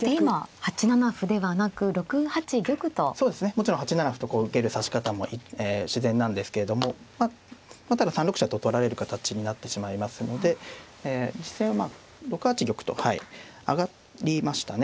もちろん８七歩とこう受ける指し方も自然なんですけどもまあただ３六飛車と取られる形になってしまいますので実戦はまあ６八玉と上がりましたね。